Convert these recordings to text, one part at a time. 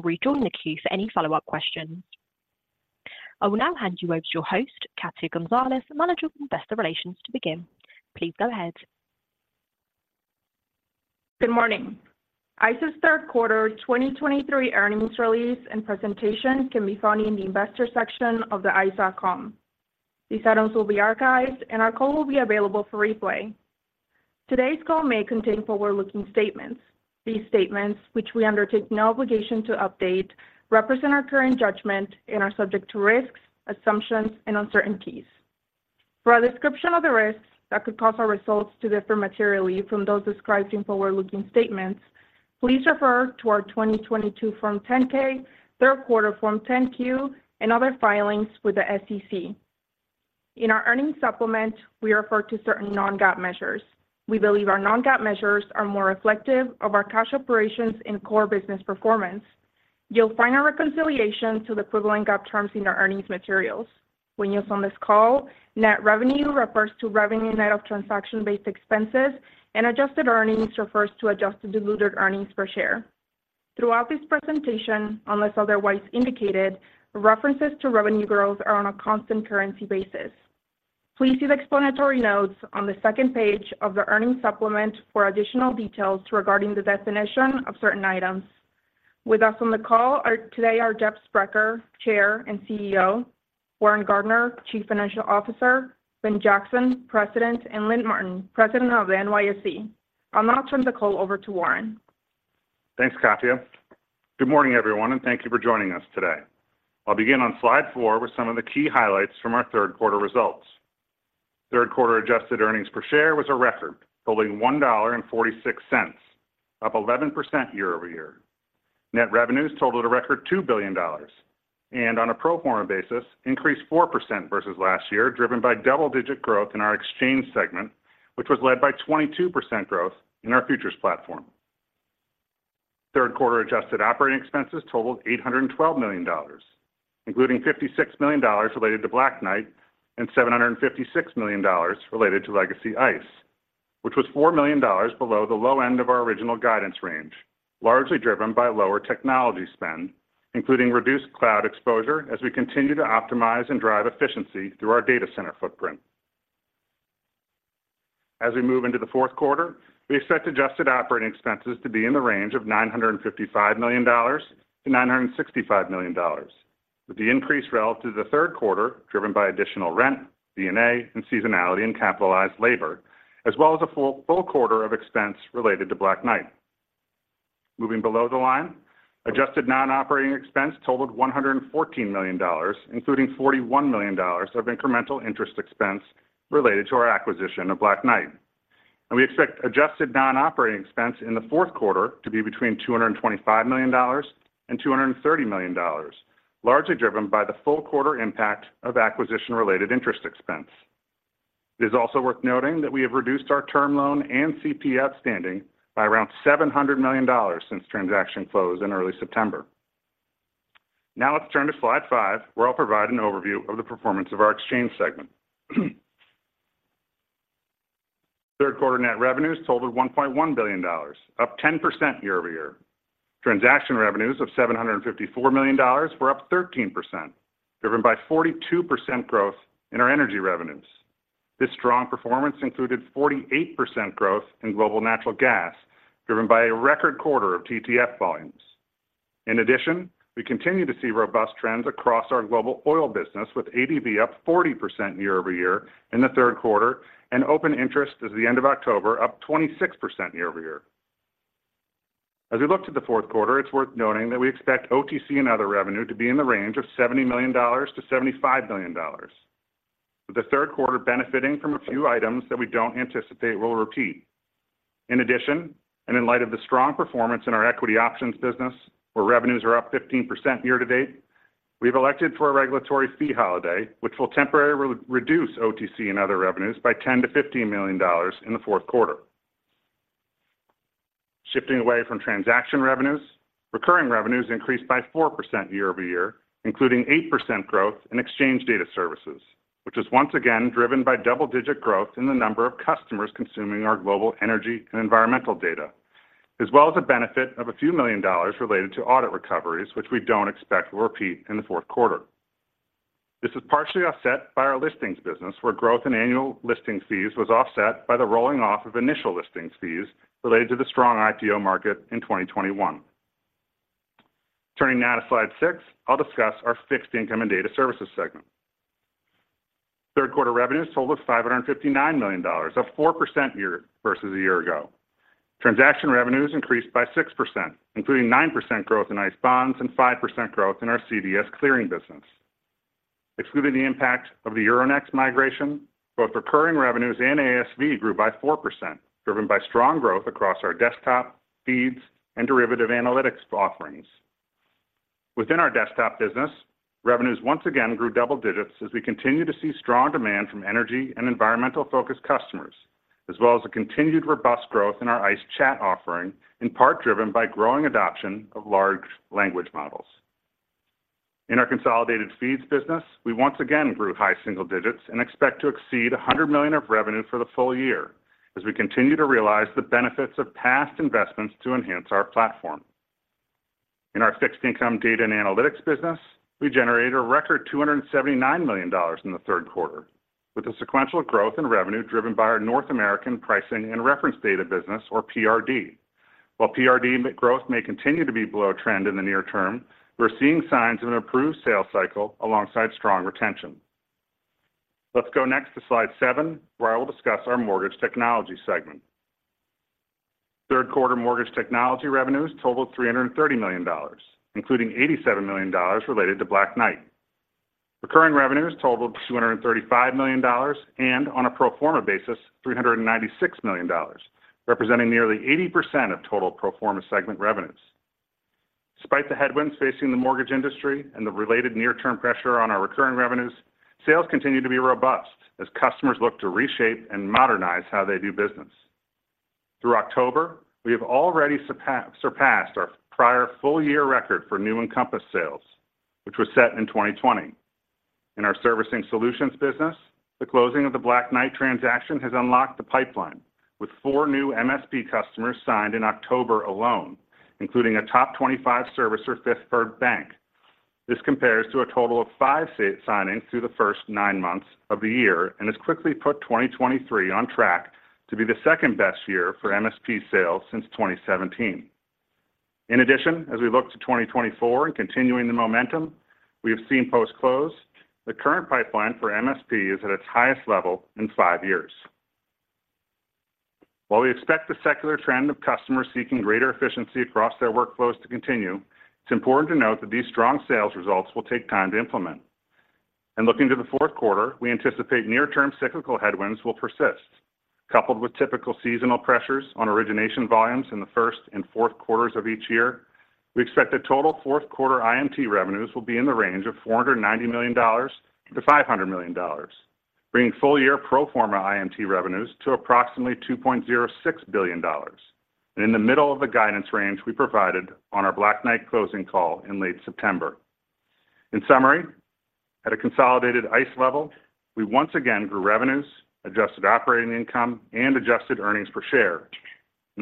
Rejoin the queue for any follow-up questions. I will now hand you over to your host, Katia Gonzalez, Manager of Investor Relations, to begin. Please go ahead. Good morning. ICE's third quarter 2023 earnings release and presentation can be found in the investor section of the ICE.com. These items will be archived, and our call will be available for replay. Today's call may contain forward-looking statements. These statements, which we undertake no obligation to update, represent our current judgment and are subject to risks, assumptions, and uncertainties. For a description of the risks that could cause our results to differ materially from those described in forward-looking statements, please refer to our 2022 Form 10-K, third quarter Form 10-Q, and other filings with the SEC. In our earnings supplement, we refer to certain non-GAAP measures. We believe our non-GAAP measures are more reflective of our cash operations and core business performance. You'll find our reconciliation to the equivalent GAAP terms in our earnings materials. When used on this call, net revenue refers to revenue net of transaction-based expenses, and adjusted earnings refers to adjusted diluted earnings per share. Throughout this presentation, unless otherwise indicated, references to revenue growth are on a constant currency basis. Please see the explanatory notes on the second page of the earnings supplement for additional details regarding the definition of certain items. With us on the call today are Jeff Sprecher, Chair and CEO; Warren Gardiner, Chief Financial Officer; Ben Jackson, President; and Lynn Martin, President of the NYSE. I'll now turn the call over to Warren. Thanks, Katia. Good morning, everyone, and thank you for joining us today. I'll begin on slide 4 with some of the key highlights from our third quarter results. Third quarter adjusted earnings per share was a record, totaling $1.46, up 11% year-over-year. Net revenues totaled a record $2 billion, and on a pro forma basis, increased 4% versus last year, driven by double-digit growth in our exchange segment, which was led by 22% growth in our futures platform. Third quarter adjusted operating expenses totaled $812 million, including $56 million related to Black Knight and $756 million related to Legacy ICE, which was $4 million below the low end of our original guidance range, largely driven by lower technology spend, including reduced cloud exposure as we continue to optimize and drive efficiency through our data center footprint. As we move into the fourth quarter, we expect adjusted operating expenses to be in the range of $955 million-$965 million, with the increase relative to the third quarter driven by additional rent, D&A, and seasonality, and capitalized labor, as well as a full quarter of expense related to Black Knight. Moving below the line, adjusted non-operating expense totaled $114 million, including $41 million of incremental interest expense related to our acquisition of Black Knight. We expect adjusted non-operating expense in the fourth quarter to be between $225 million and $230 million, largely driven by the full quarter impact of acquisition-related interest expense. It is also worth noting that we have reduced our term loan and CP outstanding by around $700 million since transaction closed in early September. Now, let's turn to slide 5, where I'll provide an overview of the performance of our exchange segment. Third quarter net revenues totaled $1.1 billion, up 10% year-over-year. Transaction revenues of $754 million were up 13%, driven by 42% growth in our energy revenues. This strong performance included 48% growth in global natural gas, driven by a record quarter of TTF volumes. In addition, we continue to see robust trends across our global oil business, with ADV up 40% year-over-year in the third quarter, and open interest at the end of October up 26% year-over-year. As we look to the fourth quarter, it's worth noting that we expect OTC and other revenue to be in the range of $70 million-$75 million, with the third quarter benefiting from a few items that we don't anticipate will repeat. In addition, and in light of the strong performance in our equity options business, where revenues are up 15% year to date, we've elected for a regulatory fee holiday, which will temporarily re-reduce OTC and other revenues by $10 million-$15 million in the fourth quarter. Shifting away from transaction revenues, recurring revenues increased by 4% year-over-year, including 8% growth in Exchange Data Services, which is once again driven by double-digit growth in the number of customers consuming our global energy and environmental data, as well as a benefit of $a few million related to audit recoveries, which we don't expect will repeat in the fourth quarter. This is partially offset by our listings business, where growth in annual listing fees was offset by the rolling off of initial listings fees related to the strong IPO market in 2021. Turning now to slide 6, I'll discuss our Fixed Income and Data Services segment. Third quarter revenues totaled $559 million, up 4% year-over-year versus a year ago. Transaction revenues increased by 6%, including 9% growth in ICE Bonds and 5% growth in our CDS Clearing business. Excluding the impact of the Euronext migration, both recurring revenues and ASV grew by 4%, driven by strong growth across our desktop, feeds, and derivative analytics offerings. Within our desktop business, revenues once again grew double digits as we continue to see strong demand from energy and environmental-focused customers, as well as a continued robust growth in our ICE Chat offering, in part driven by growing adoption of large language models.... In our Consolidated Feeds business, we once again grew high single digits and expect to exceed $100 million of revenue for the full year as we continue to realize the benefits of past investments to enhance our platform. In our Fixed Income Data and Analytics business, we generated a record $279 million in the third quarter, with sequential growth in revenue driven by our North American Pricing and Reference Data business, or PRD. While PRD growth may continue to be below trend in the near term, we're seeing signs of an improved sales cycle alongside strong retention. Let's go next to slide 7, where I will discuss our Mortgage Technology segment. Third quarter Mortgage Technology revenues totaled $330 million, including $87 million related to Black Knight. Recurring revenues totaled $235 million, and on a pro forma basis, $396 million, representing nearly 80% of total pro forma segment revenues. Despite the headwinds facing the mortgage industry and the related near-term pressure on our recurring revenues, sales continue to be robust as customers look to reshape and modernize how they do business. Through October, we have already surpassed our prior full-year record for new Encompass sales, which was set in 2020. In our servicing solutions business, the closing of the Black Knight transaction has unlocked the pipeline, with four new MSP customers signed in October alone, including a top 25 servicer, Fifth Third Bank. This compares to a total of 5 signings through the first 9 months of the year and has quickly put 2023 on track to be the second-best year for MSP sales since 2017. In addition, as we look to 2024 and continuing the momentum, we have seen post-close, the current pipeline for MSP is at its highest level in 5 years. While we expect the secular trend of customers seeking greater efficiency across their workflows to continue, it's important to note that these strong sales results will take time to implement. And looking to the fourth quarter, we anticipate near-term cyclical headwinds will persist. Coupled with typical seasonal pressures on origination volumes in the first and fourth quarters of each year, we expect that total fourth quarter IMT revenues will be in the range of $490 million-$500 million, bringing full-year pro forma IMT revenues to approximately $2.06 billion, and in the middle of the guidance range we provided on our Black Knight closing call in late September. In summary, at a consolidated ICE level, we once again grew revenues, adjusted operating income, and adjusted earnings per share.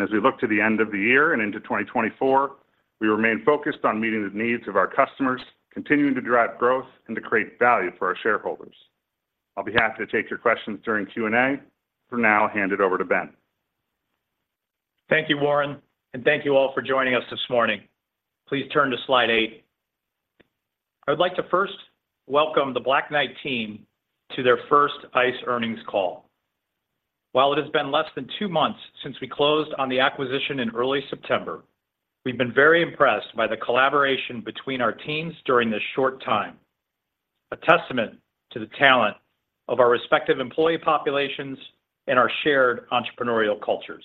As we look to the end of the year and into 2024, we remain focused on meeting the needs of our customers, continuing to drive growth and to create value for our shareholders. I'll be happy to take your questions during Q&A. For now, I'll hand it over to Ben. Thank you, Warren, and thank you all for joining us this morning. Please turn to slide 8. I would like to first welcome the Black Knight team to their first ICE earnings call. While it has been less than two months since we closed on the acquisition in early September, we've been very impressed by the collaboration between our teams during this short time, a testament to the talent of our respective employee populations and our shared entrepreneurial cultures.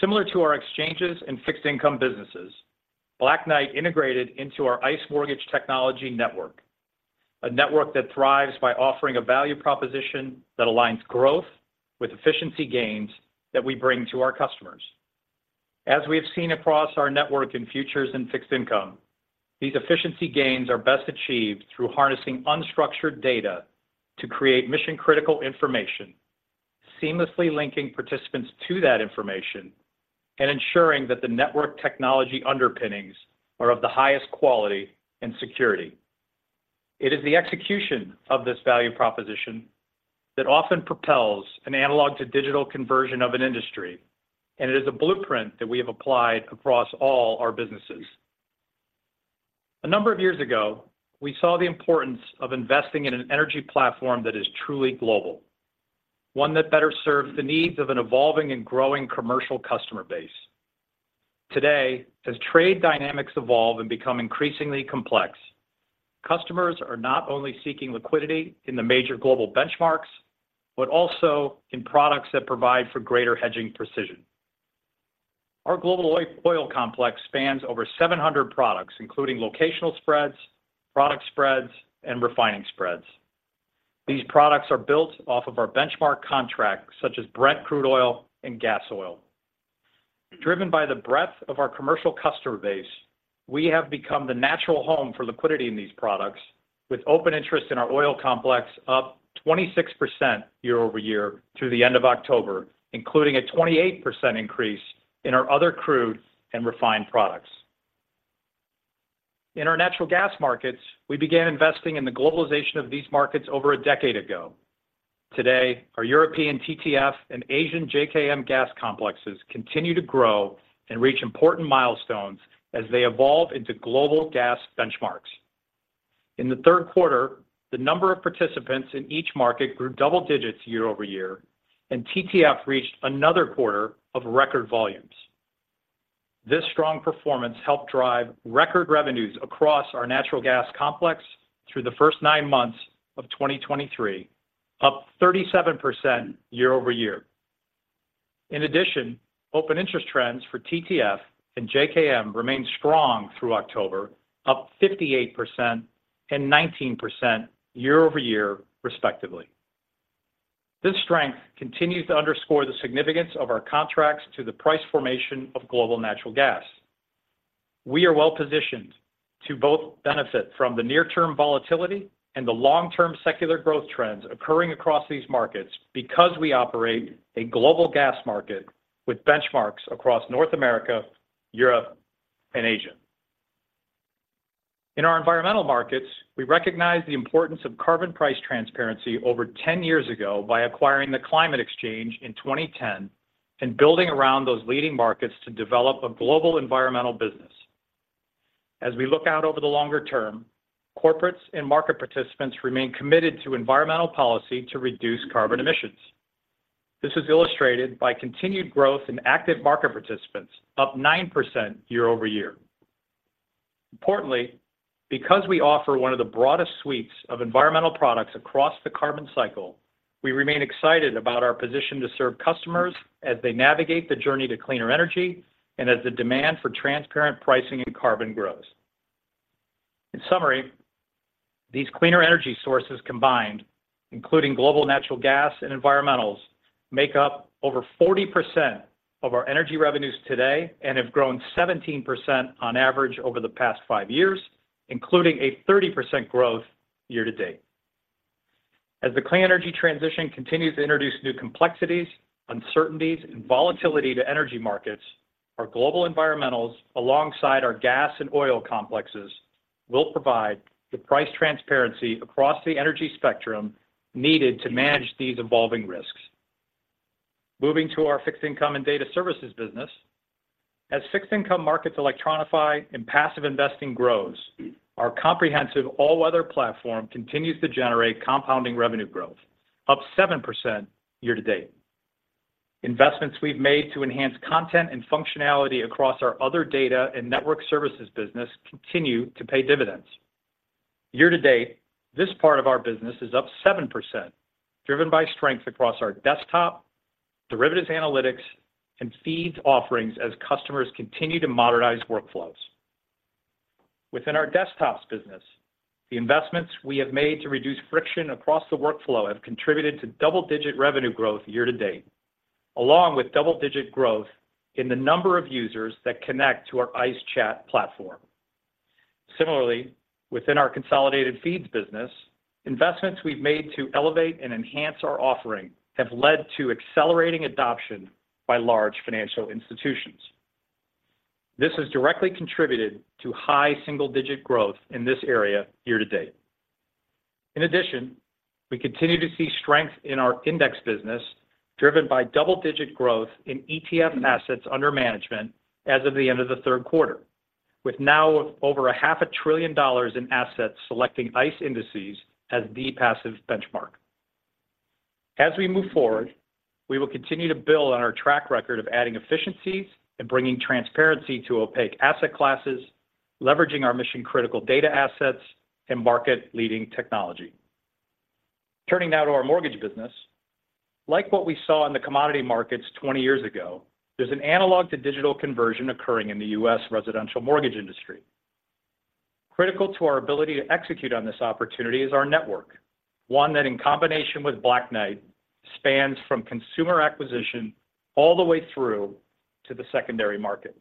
Similar to our exchanges and fixed-income businesses, Black Knight integrated into our ICE Mortgage Technology network, a network that thrives by offering a value proposition that aligns growth with efficiency gains that we bring to our customers. As we have seen across our network in futures and fixed income, these efficiency gains are best achieved through harnessing unstructured data to create mission-critical information, seamlessly linking participants to that information, and ensuring that the network technology underpinnings are of the highest quality and security. It is the execution of this value proposition that often propels an analog-to-digital conversion of an industry, and it is a blueprint that we have applied across all our businesses. A number of years ago, we saw the importance of investing in an energy platform that is truly global, one that better serves the needs of an evolving and growing commercial customer base. Today, as trade dynamics evolve and become increasingly complex, customers are not only seeking liquidity in the major global benchmarks, but also in products that provide for greater hedging precision. Our global oil, oil complex spans over 700 products, including locational spreads, product spreads, and refining spreads. These products are built off of our benchmark contracts, such as Brent crude oil and gas oil. Driven by the breadth of our commercial customer base, we have become the natural home for liquidity in these products, with open interest in our oil complex up 26% year-over-year through the end of October, including a 28% increase in our other crude and refined products. In our natural gas markets, we began investing in the globalization of these markets over a decade ago. Today, our European TTF and Asian JKM gas complexes continue to grow and reach important milestones as they evolve into global gas benchmarks. In the third quarter, the number of participants in each market grew double digits year-over-year, and TTF reached another quarter of record volumes. This strong performance helped drive record revenues across our natural gas complex through the first nine months of 2023, up 37% year-over-year. In addition, open interest trends for TTF and JKM remained strong through October, up 58% and 19% year-over-year, respectively.... This strength continues to underscore the significance of our contracts to the price formation of global natural gas. We are well-positioned to both benefit from the near-term volatility and the long-term secular growth trends occurring across these markets because we operate a global gas market with benchmarks across North America, Europe, and Asia. In our environmental markets, we recognized the importance of carbon price transparency over 10 years ago by acquiring the Climate Exchange in 2010, and building around those leading markets to develop a global environmental business. As we look out over the longer term, corporates and market participants remain committed to environmental policy to reduce carbon emissions. This is illustrated by continued growth in active market participants, up 9% year-over-year. Importantly, because we offer one of the broadest suites of environmental products across the carbon cycle, we remain excited about our position to serve customers as they navigate the journey to cleaner energy and as the demand for transparent pricing and carbon grows. In summary, these cleaner energy sources combined, including global natural gas and environmentals, make up over 40% of our energy revenues today and have grown 17% on average over the past five years, including a 30% growth year-to-date. As the clean energy transition continues to introduce new complexities, uncertainties, and volatility to energy markets, our global environmentals, alongside our gas and oil complexes, will provide the price transparency across the energy spectrum needed to manage these evolving risks. Moving to our Fixed Income and Data Services business. As fixed income markets electronify and passive investing grows, our comprehensive all-weather platform continues to generate compounding revenue growth, up 7% year-to-date. Investments we've made to enhance content and functionality across our other data and network services business continue to pay dividends. Year-to-date, this part of our business is up 7%, driven by strength across our desktop, derivatives analytics, and feeds offerings as customers continue to modernize workflows. Within our desktops business, the investments we have made to reduce friction across the workflow have contributed to double-digit revenue growth year-to-date, along with double-digit growth in the number of users that connect to our ICE Chat platform. Similarly, within our consolidated feeds business, investments we've made to elevate and enhance our offering have led to accelerating adoption by large financial institutions. This has directly contributed to high single-digit growth in this area year-to-date. In addition, we continue to see strength in our index business, driven by double-digit growth in ETF assets under management as of the end of the third quarter, with now over $0.5 trillion in assets selecting ICE indices as the passive benchmark. As we move forward, we will continue to build on our track record of adding efficiencies and bringing transparency to opaque asset classes, leveraging our mission-critical data assets and market-leading technology. Turning now to our mortgage business. Like what we saw in the commodity markets 20 years ago, there's an analog-to-digital conversion occurring in the U.S. residential mortgage industry. Critical to our ability to execute on this opportunity is our network, one that, in combination with Black Knight, spans from consumer acquisition all the way through to the secondary market.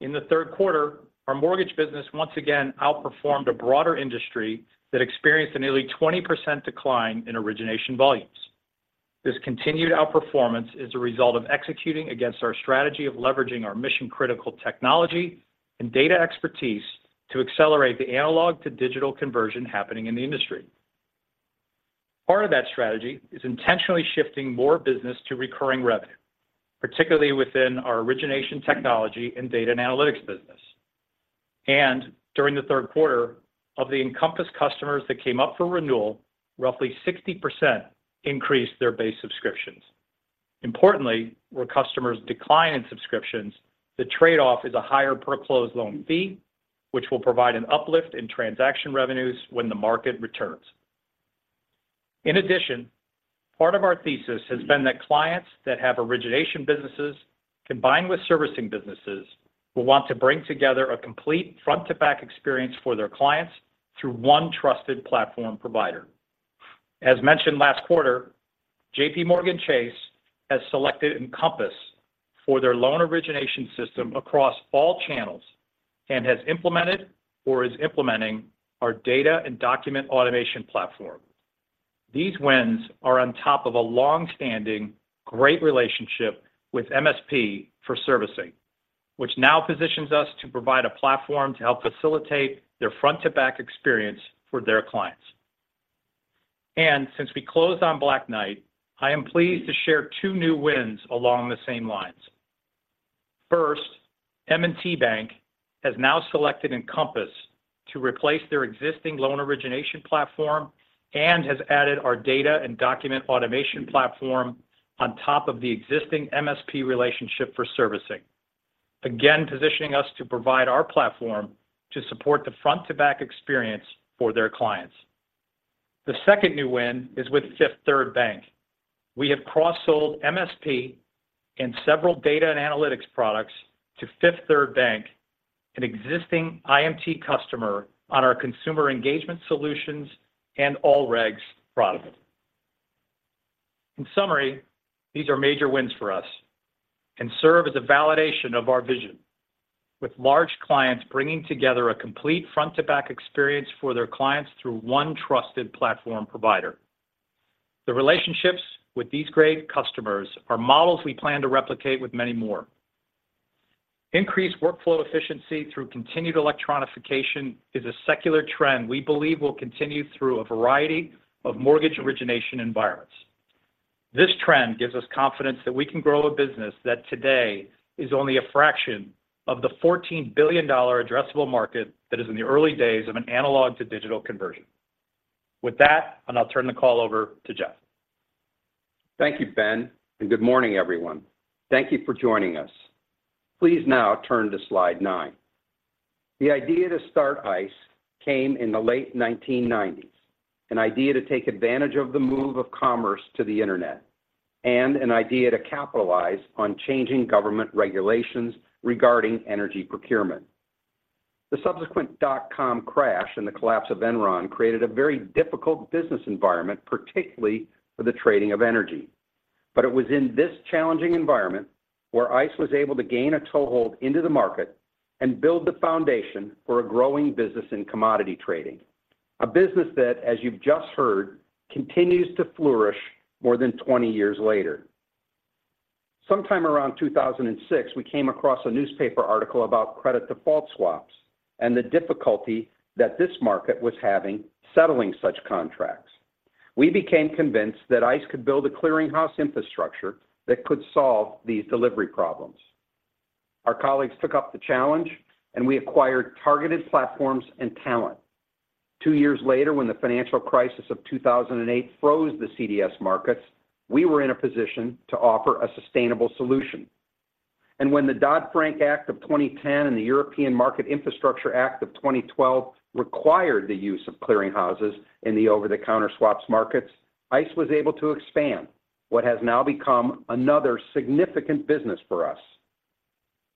In the third quarter, our mortgage business once again outperformed a broader industry that experienced a nearly 20% decline in origination volumes. This continued outperformance is a result of executing against our strategy of leveraging our mission-critical technology and data expertise to accelerate the analog-to-digital conversion happening in the industry. Part of that strategy is intentionally shifting more business to recurring revenue, particularly within our origination technology and data and analytics business. And during the third quarter, of the Encompass customers that came up for renewal, roughly 60% increased their base subscriptions. Importantly, where customers decline in subscriptions, the trade-off is a higher per closed loan fee, which will provide an uplift in transaction revenues when the market returns. In addition, part of our thesis has been that clients that have origination businesses, combined with servicing businesses, will want to bring together a complete front-to-back experience for their clients through one trusted platform provider. As mentioned last quarter, JPMorgan Chase has selected Encompass for their loan origination system across all channels and has implemented or is implementing our data and document automation platform. These wins are on top of a long-standing, great relationship with MSP for servicing, which now positions us to provide a platform to help facilitate their front-to-back experience for their clients. And since we closed on Black Knight, I am pleased to share two new wins along the same lines. First, M&T Bank has now selected Encompass to replace their existing loan origination platform and has added our Data and Document Automation platform on top of the existing MSP relationship for servicing. Again, positioning us to provide our platform to support the front-to-back experience for their clients. The second new win is with Fifth Third Bank.... We have cross-sold MSP and several data and analytics products to Fifth Third Bank, an existing IMT customer on our Consumer Engagement solutions and AllRegs products. In summary, these are major wins for us and serve as a validation of our vision, with large clients bringing together a complete front-to-back experience for their clients through one trusted platform provider. The relationships with these great customers are models we plan to replicate with many more. Increased workflow efficiency through continued electronification is a secular trend we believe will continue through a variety of mortgage origination environments. This trend gives us confidence that we can grow a business that today is only a fraction of the $14 billion addressable market that is in the early days of an analog-to-digital conversion. With that, and I'll turn the call over to Jeff. Thank you, Ben, and good morning, everyone. Thank you for joining us. Please now turn to slide 9. The idea to start ICE came in the late 1990s, an idea to take advantage of the move of commerce to the internet, and an idea to capitalize on changing government regulations regarding energy procurement. The subsequent dot-com crash and the collapse of Enron created a very difficult business environment, particularly for the trading of energy. But it was in this challenging environment where ICE was able to gain a toehold into the market and build the foundation for a growing business in commodity trading. A business that, as you've just heard, continues to flourish more than 20 years later. Sometime around 2006, we came across a newspaper article about credit default swaps and the difficulty that this market was having settling such contracts. We became convinced that ICE could build a clearinghouse infrastructure that could solve these delivery problems. Our colleagues took up the challenge, and we acquired targeted platforms and talent. Two years later, when the financial crisis of 2008 froze the CDS markets, we were in a position to offer a sustainable solution. And when the Dodd-Frank Act of 2010 and the European Market Infrastructure Act of 2012 required the use of clearinghouses in the over-the-counter swaps markets, ICE was able to expand what has now become another significant business for us.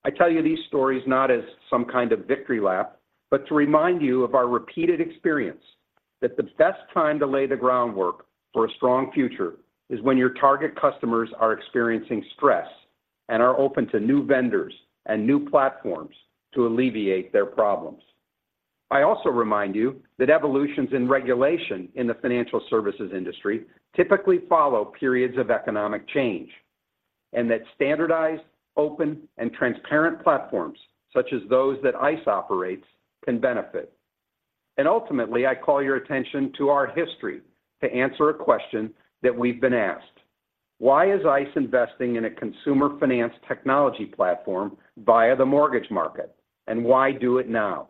I tell you these stories not as some kind of victory lap, but to remind you of our repeated experience, that the best time to lay the groundwork for a strong future is when your target customers are experiencing stress and are open to new vendors and new platforms to alleviate their problems. I also remind you that evolutions in regulation in the financial services industry typically follow periods of economic change, and that standardized, open, and transparent platforms, such as those that ICE operates, can benefit. Ultimately, I call your attention to our history to answer a question that we've been asked: Why is ICE investing in a consumer finance technology platform via the mortgage market, and why do it now?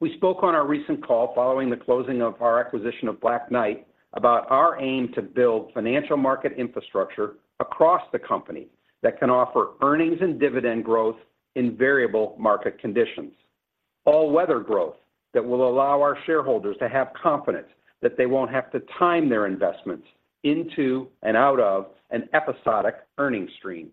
We spoke on our recent call following the closing of our acquisition of Black Knight about our aim to build financial market infrastructure across the company that can offer earnings and dividend growth in variable market conditions. All-weather growth that will allow our shareholders to have confidence that they won't have to time their investments into and out of an episodic earning stream.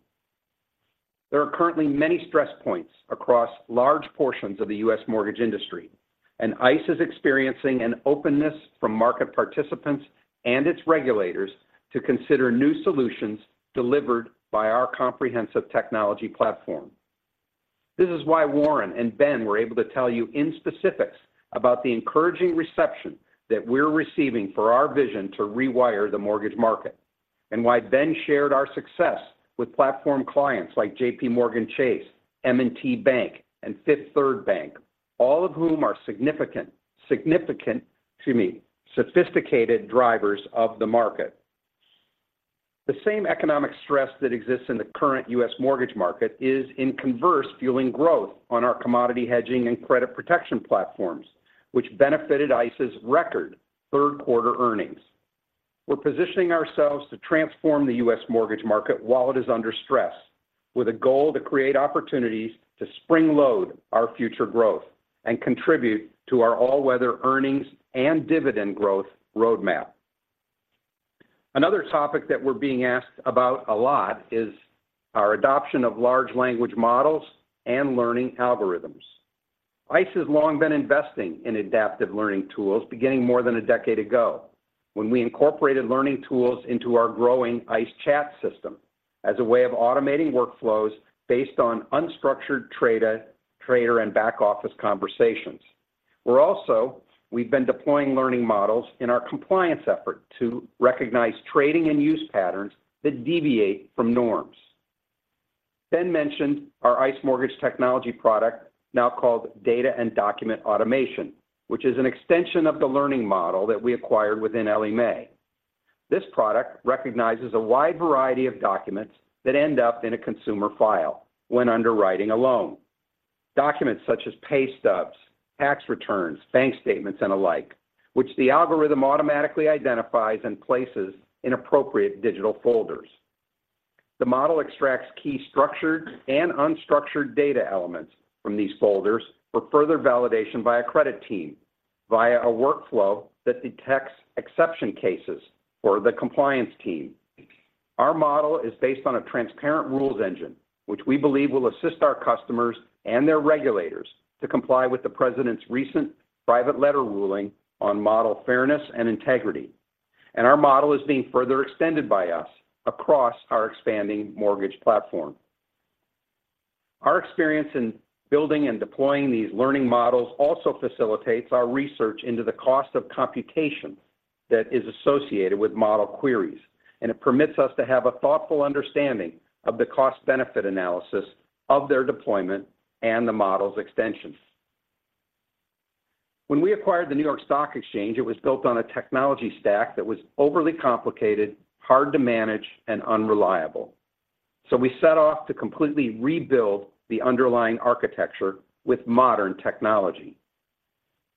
There are currently many stress points across large portions of the U.S. mortgage industry, and ICE is experiencing an openness from market participants and its regulators to consider new solutions delivered by our comprehensive technology platform. This is why Warren and Ben were able to tell you in specifics about the encouraging reception that we're receiving for our vision to rewire the mortgage market, and why Ben shared our success with platform clients like JPMorgan Chase, M&T Bank, and Fifth Third Bank, all of whom are significant to me, sophisticated drivers of the market. The same economic stress that exists in the current U.S. mortgage market is, in converse, fueling growth on our commodity hedging and credit protection platforms, which benefited ICE's record third quarter earnings. We're positioning ourselves to transform the U.S. mortgage market while it is under stress, with a goal to create opportunities to springload our future growth and contribute to our all-weather earnings and dividend growth roadmap. Another topic that we're being asked about a lot is our adoption of large language models and learning algorithms. ICE has long been investing in adaptive learning tools, beginning more than a decade ago, when we incorporated learning tools into our growing ICE Chat system as a way of automating workflows based on unstructured trader, trader and back office conversations. We're also. We've been deploying learning models in our compliance effort to recognize trading and use patterns that deviate from norms. Ben mentioned our ICE Mortgage Technology product, now called Data and Document Automation, which is an extension of the learning model that we acquired within Ellie Mae. This product recognizes a wide variety of documents that end up in a consumer file when underwriting a loan. Documents such as pay stubs, tax returns, bank statements, and the like, which the algorithm automatically identifies and places in appropriate digital folders. The model extracts key structured and unstructured data elements from these folders for further validation by a credit team via a workflow that detects exception cases for the compliance team. Our model is based on a transparent rules engine, which we believe will assist our customers and their regulators to comply with the President's recent private letter ruling on model fairness and integrity. Our model is being further extended by us across our expanding mortgage platform. Our experience in building and deploying these learning models also facilitates our research into the cost of computation that is associated with model queries, and it permits us to have a thoughtful understanding of the cost-benefit analysis of their deployment and the model's extensions. When we acquired the New York Stock Exchange, it was built on a technology stack that was overly complicated, hard to manage, and unreliable. So we set off to completely rebuild the underlying architecture with modern technology.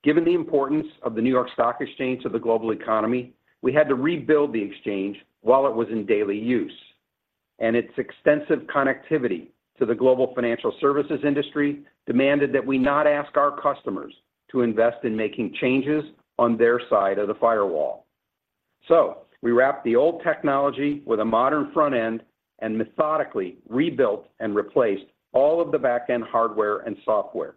Given the importance of the New York Stock Exchange to the global economy, we had to rebuild the exchange while it was in daily use, and its extensive connectivity to the global financial services industry demanded that we not ask our customers to invest in making changes on their side of the firewall. So we wrapped the old technology with a modern front end and methodically rebuilt and replaced all of the back-end hardware and software.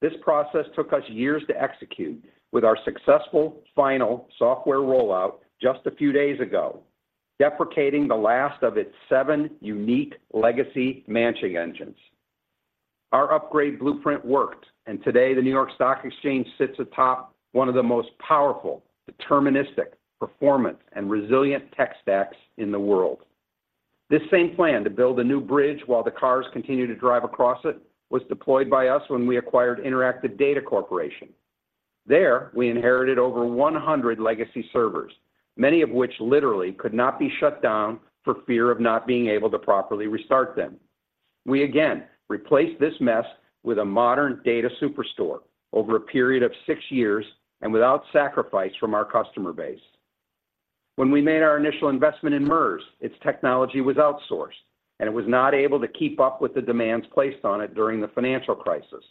This process took us years to execute, with our successful final software rollout just a few days ago, deprecating the last of its 7 unique legacy matching engines. Our upgrade blueprint worked, and today, the New York Stock Exchange sits atop one of the most powerful, deterministic, performant, and resilient tech stacks in the world. This same plan to build a new bridge while the cars continue to drive across it, was deployed by us when we acquired Interactive Data Corporation. There, we inherited over 100 legacy servers, many of which literally could not be shut down for fear of not being able to properly restart them. We again replaced this mess with a modern data superstore over a period of six years and without sacrifice from our customer base. When we made our initial investment in MERS, its technology was outsourced, and it was not able to keep up with the demands placed on it during the financial crisis.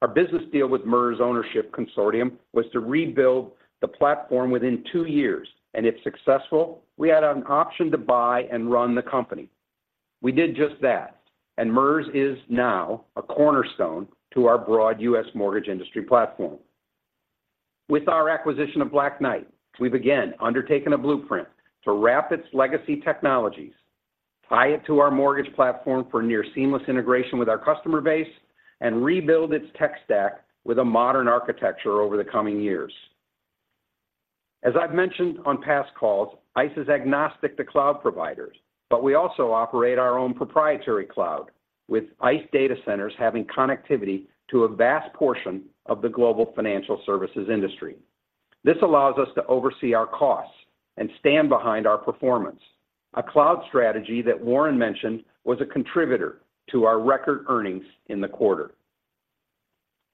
Our business deal with MERS Ownership Consortium was to rebuild the platform within two years, and if successful, we had an option to buy and run the company. We did just that, and MERS is now a cornerstone to our broad U.S. mortgage industry platform. With our acquisition of Black Knight, we've again undertaken a blueprint to wrap its legacy technologies, tie it to our mortgage platform for near seamless integration with our customer base, and rebuild its tech stack with a modern architecture over the coming years. As I've mentioned on past calls, ICE is agnostic to cloud providers, but we also operate our own proprietary cloud, with ICE data centers having connectivity to a vast portion of the global financial services industry. This allows us to oversee our costs and stand behind our performance, a cloud strategy that Warren mentioned was a contributor to our record earnings in the quarter.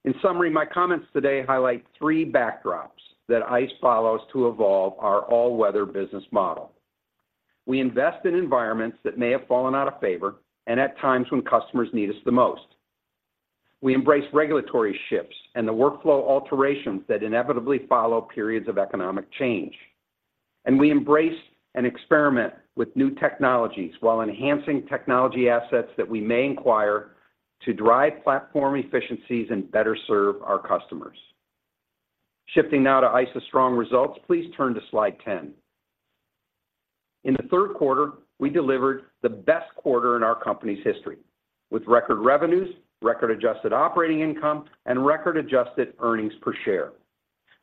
In summary, my comments today highlight three backdrops that ICE follows to evolve our all-weather business model. We invest in environments that may have fallen out of favor and at times when customers need us the most. We embrace regulatory shifts and the workflow alterations that inevitably follow periods of economic change. And we embrace and experiment with new technologies while enhancing technology assets that we may acquire to drive platform efficiencies and better serve our customers. Shifting now to ICE's strong results, please turn to slide 10. In the third quarter, we delivered the best quarter in our company's history, with record revenues, record adjusted operating income, and record adjusted earnings per share.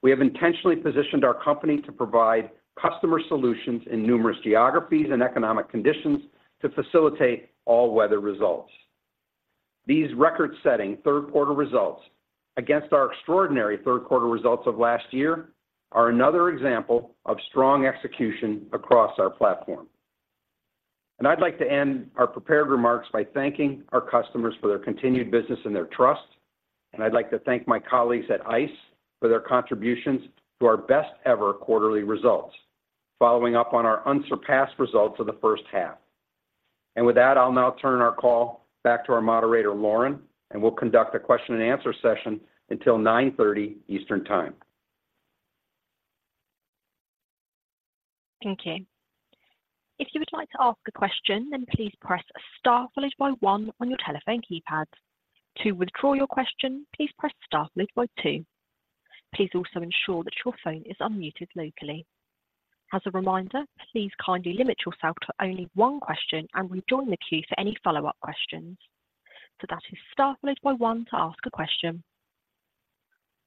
We have intentionally positioned our company to provide customer solutions in numerous geographies and economic conditions to facilitate all-weather results. These record-setting third quarter results against our extraordinary third quarter results of last year are another example of strong execution across our platform. And I'd like to end our prepared remarks by thanking our customers for their continued business and their trust. And I'd like to thank my colleagues at ICE for their contributions to our best-ever quarterly results, following up on our unsurpassed results of the first half. With that, I'll now turn our call back to our moderator, Lauren, and we'll conduct a question and answer session until 9:30 A.M. Eastern Time. Thank you. If you would like to ask a question, then please press Star followed by one on your telephone keypad. To withdraw your question, please press Star followed by two. Please also ensure that your phone is unmuted locally. As a reminder, please kindly limit yourself to only one question and rejoin the queue for any follow-up questions. So that is Star followed by one to ask a question.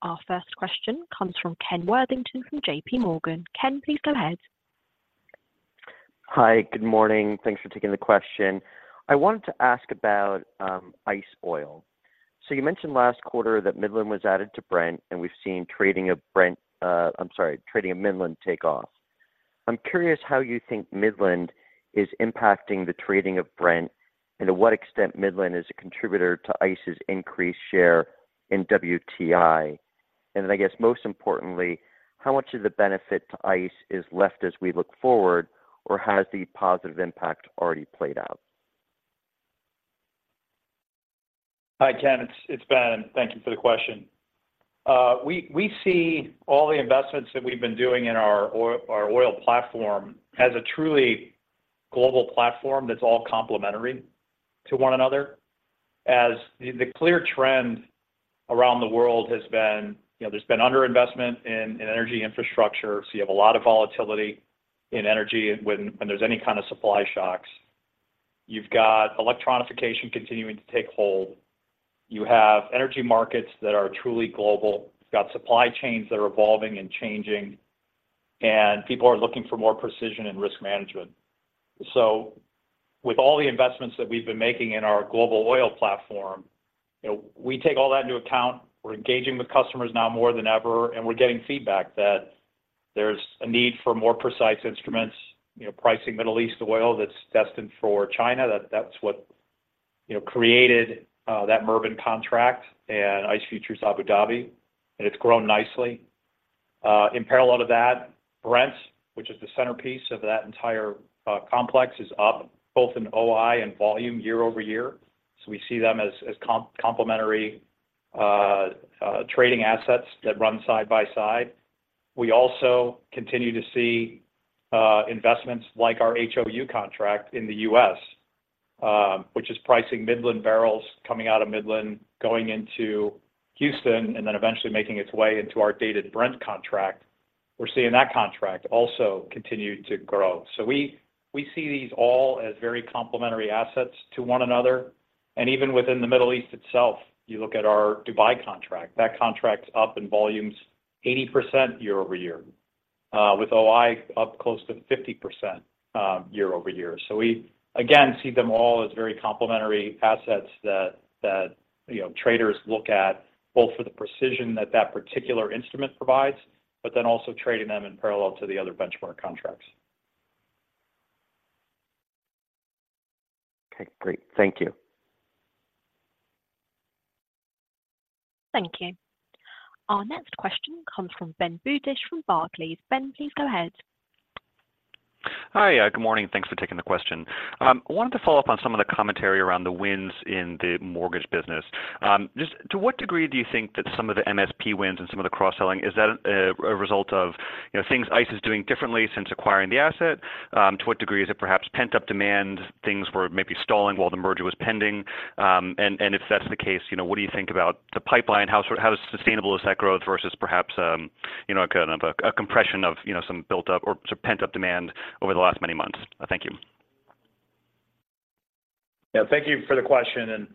Our first question comes from Ken Worthington from JPMorgan. Ken, please go ahead. Hi, good morning. Thanks for taking the question. I wanted to ask about, ICE oil. So you mentioned last quarter that Midland was added to Brent, and we've seen trading of Brent, trading of Midland take off. I'm curious how you think Midland is impacting the trading of Brent and to what extent Midland is a contributor to ICE's increased share in WTI?... and then I guess most importantly, how much of the benefit to ICE is left as we look forward, or has the positive impact already played out? Hi, Ken, it's Ben, and thank you for the question. We see all the investments that we've been doing in our oil platform as a truly global platform that's all complementary to one another, as the clear trend around the world has been, you know, there's been underinvestment in energy infrastructure, so you have a lot of volatility in energy when there's any kind of supply shocks. You've got electronification continuing to take hold. You have energy markets that are truly global. You've got supply chains that are evolving and changing, and people are looking for more precision and risk management. So with all the investments that we've been making in our global oil platform, you know, we take all that into account. We're engaging with customers now more than ever, and we're getting feedback that there's a need for more precise instruments, you know, pricing Middle East oil that's destined for China. That's what, you know, created that Murban contract and ICE Futures Abu Dhabi, and it's grown nicely. In parallel to that, Brent, which is the centerpiece of that entire complex, is up both in OI and volume year over year. So we see them as complementary trading assets that run side by side. We also continue to see investments like our HOU contract in the U.S., which is pricing Midland barrels coming out of Midland, going into Houston, and then eventually making its way into our dated Brent contract. We're seeing that contract also continue to grow. So we see these all as very complementary assets to one another. Even within the Middle East itself, you look at our Dubai contract, that contract's up in volumes 80% year-over-year, with OI up close to 50%, year-over-year. So we, again, see them all as very complementary assets that, that, you know, traders look at, both for the precision that that particular instrument provides, but then also trading them in parallel to the other benchmark contracts. Okay, great. Thank you. Thank you. Our next question comes from Ben Budish, from Barclays. Ben, please go ahead. Hi, good morning, and thanks for taking the question. I wanted to follow up on some of the commentary around the wins in the mortgage business. Just to what degree do you think that some of the MSP wins and some of the cross-selling, is that, a result of, you know, things ICE is doing differently since acquiring the asset? To what degree is it perhaps pent-up demand, things were maybe stalling while the merger was pending? And, if that's the case, you know, what do you think about the pipeline? How sustainable is that growth versus perhaps, you know, a kind of a compression of, you know, some built up or sort of pent-up demand over the last many months? Thank you. Yeah, thank you for the question, and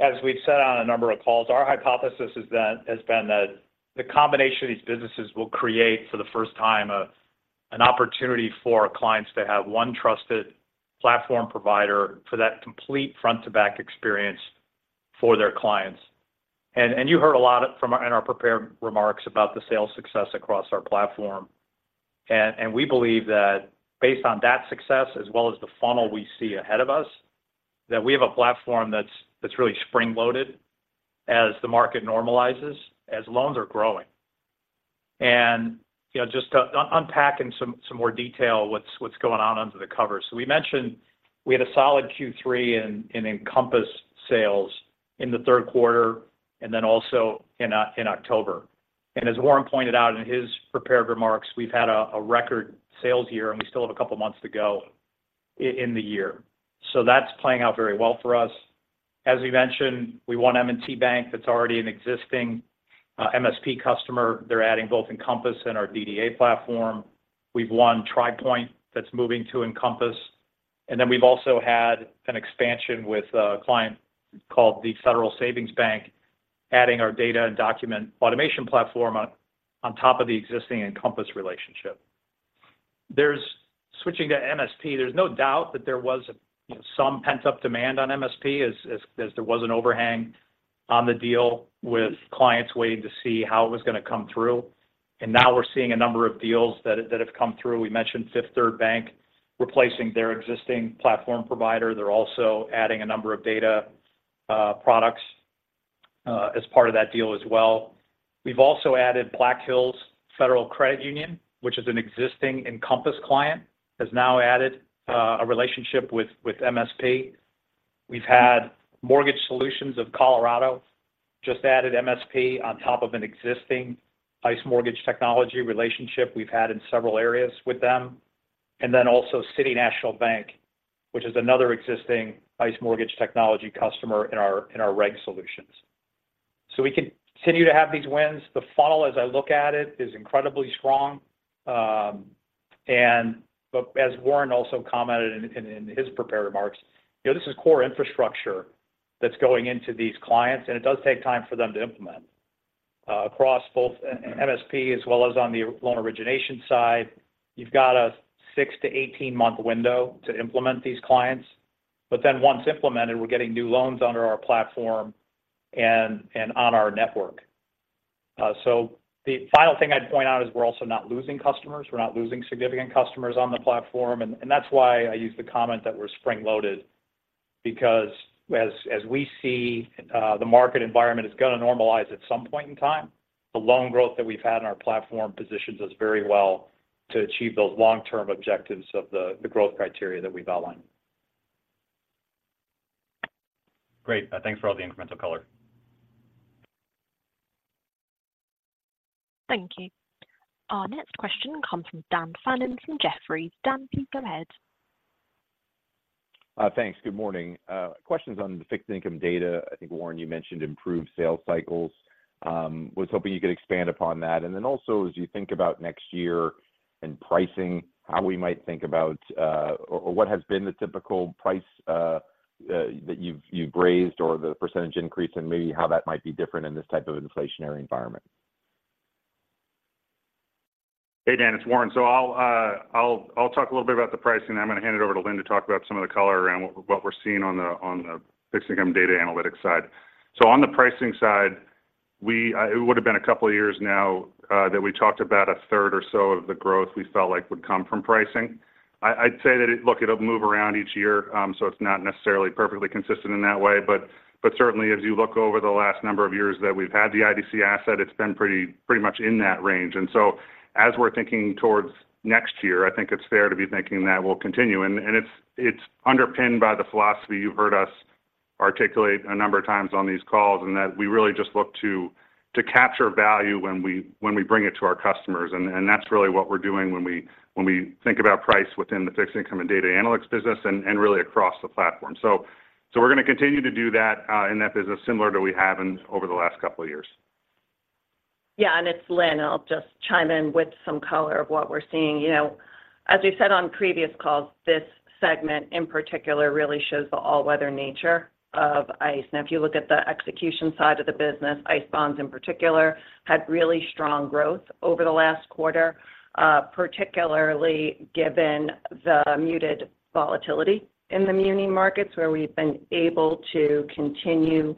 as we've said on a number of calls, our hypothesis is that has been that the combination of these businesses will create, for the first time, an opportunity for our clients to have one trusted platform provider for that complete front-to-back experience for their clients. And you heard a lot from our prepared remarks about the sales success across our platform. And we believe that based on that success, as well as the funnel we see ahead of us, that we have a platform that's really spring-loaded as the market normalizes, as loans are growing. And, you know, just to unpack in some more detail what's going on under the cover. So we mentioned we had a solid Q3 in Encompass sales in the third quarter and then also in October. And as Warren pointed out in his prepared remarks, we've had a record sales year, and we still have a couple of months to go in the year. So that's playing out very well for us. As we mentioned, we won M&T Bank. That's already an existing MSP customer. They're adding both Encompass and our DDA platform. We've won Tri Pointe that's moving to Encompass, and then we've also had an expansion with a client called the Federal Savings Bank, adding our Data and Document Automation platform on top of the existing Encompass relationship. There's... switching to MSP, there's no doubt that there was, you know, some pent-up demand on MSP as there was an overhang on the deal with clients waiting to see how it was going to come through. And now we're seeing a number of deals that have come through. We mentioned Fifth Third Bank, replacing their existing platform provider. They're also adding a number of data products as part of that deal as well. We've also added Black Hills Federal Credit Union, which is an existing Encompass client, has now added a relationship with MSP. We've had Mortgage Solutions of Colorado, just added MSP on top of an existing ICE Mortgage Technology relationship we've had in several areas with them, and then also City National Bank, which is another existing ICE Mortgage Technology customer in our reg solutions. So we continue to have these wins. The funnel, as I look at it, is incredibly strong. And but as Warren also commented in his prepared remarks, you know, this is core infrastructure that's going into these clients, and it does take time for them to implement. Across both MSP as well as on the loan origination side, you've got a 6-18-month window to implement these clients, but then once implemented, we're getting new loans under our platform and on our network. So the final thing I'd point out is we're also not losing customers. We're not losing significant customers on the platform, and that's why I use the comment that we're spring-loaded. Because as we see, the market environment is going to normalize at some point in time. The loan growth that we've had in our platform positions us very well to achieve those long-term objectives of the growth criteria that we've outlined. Great. Thanks for all the incremental color. Thank you. Our next question comes from Dan Fannon from Jefferies. Dan, please go ahead. Thanks. Good morning. Questions on the Fixed Income Data. I think, Warren, you mentioned improved sales cycles. Was hoping you could expand upon that. And then also, as you think about next year and pricing, how we might think about, or what has been the typical price that you've raised, or the percentage increase, and maybe how that might be different in this type of inflationary environment? Hey, Dan, it's Warren. So I'll, I'll, I'll talk a little bit about the pricing. I'm going to hand it over to Lynn to talk about some of the color around what, what we're seeing on the fixed income data analytics side. So on the pricing side, we-- it would have been a couple of years now, that we talked about a third or so of the growth we felt like would come from pricing. I'd say that it-- look, it'll move around each year, so it's not necessarily perfectly consistent in that way. But certainly, as you look over the last number of years that we've had the IDC asset, it's been pretty, pretty much in that range. And so, as we're thinking towards next year, I think it's fair to be thinking that we'll continue. And it's underpinned by the philosophy you've heard us articulate a number of times on these calls, and that we really just look to capture value when we bring it to our customers. And that's really what we're doing when we think about price within the fixed income and data analytics business and really across the platform. So we're going to continue to do that in that business, similar to we have in over the last couple of years. Yeah, and it's Lynn. I'll just chime in with some color of what we're seeing. You know, as we said on previous calls, this segment, in particular, really shows the all-weather nature of ICE. Now, if you look at the execution side of the business, ICE Bonds, in particular, had really strong growth over the last quarter, particularly given the muted volatility in the muni markets, where we've been able to continue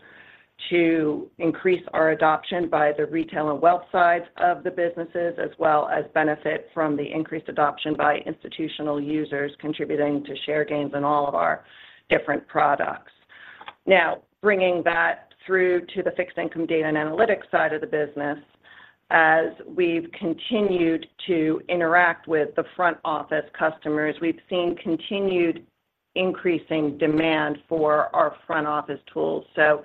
to increase our adoption by the retail and wealth side of the businesses, as well as benefit from the increased adoption by institutional users, contributing to share gains in all of our different products. Now, bringing that through to the Fixed Income Data and Analytics side of the business, as we've continued to interact with the front office customers, we've seen continued increasing demand for our front office tools. So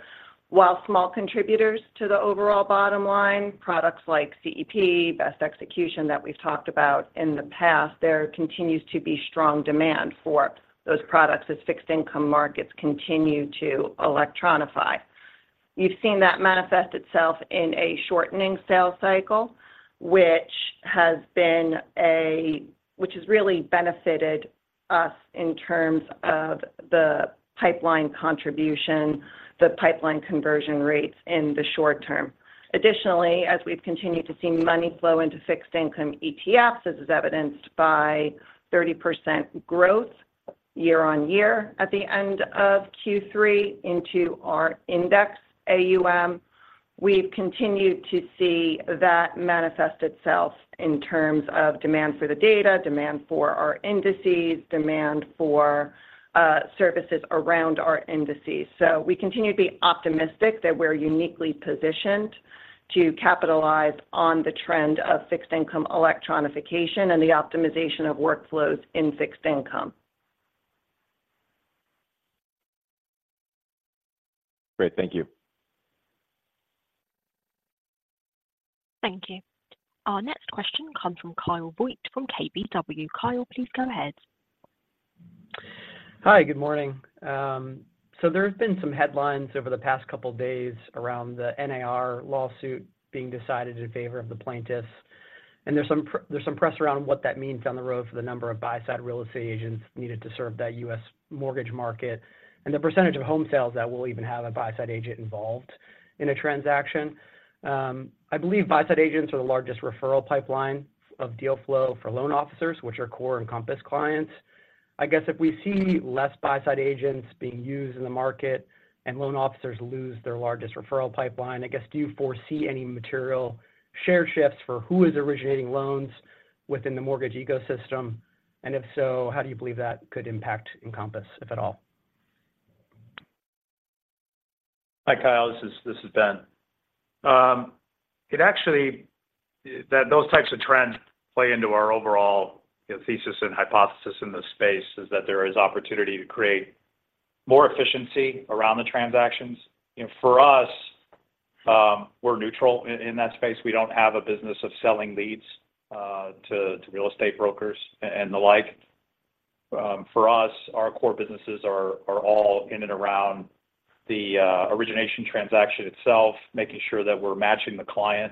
while small contributors to the overall bottom line, products like CEP, best execution that we've talked about in the past, there continues to be strong demand for those products as fixed income markets continue to electronify. You've seen that manifest itself in a shortening sales cycle, which has really benefited us in terms of the pipeline contribution, the pipeline conversion rates in the short term. Additionally, as we've continued to see money flow into fixed income ETFs, this is evidenced by 30% growth year-over-year at the end of Q3 into our index AUM, we've continued to see that manifest itself in terms of demand for the data, demand for our indices, demand for services around our indices. We continue to be optimistic that we're uniquely positioned to capitalize on the trend of fixed income electronification and the optimization of workflows in fixed income. Great. Thank you. Thank you. Our next question comes from Kyle Voigt from KBW. Kyle, please go ahead. Hi, good morning. So there have been some headlines over the past couple of days around the NAR lawsuit being decided in favor of the plaintiffs. There's some press around what that means down the road for the number of buy-side real estate agents needed to serve that U.S. mortgage market, and the percentage of home sales that will even have a buy-side agent involved in a transaction. I believe buy-side agents are the largest referral pipeline of deal flow for loan officers, which are core Encompass clients. I guess if we see less buy-side agents being used in the market and loan officers lose their largest referral pipeline, I guess, do you foresee any material share shifts for who is originating loans within the mortgage ecosystem? And if so, how do you believe that could impact Encompass, if at all? Hi, Kyle. This is Ben. It actually, that those types of trends play into our overall, you know, thesis and hypothesis in this space, is that there is opportunity to create more efficiency around the transactions. And for us, we're neutral in that space. We don't have a business of selling leads to real estate brokers and the like. For us, our core businesses are all in and around the origination transaction itself, making sure that we're matching the client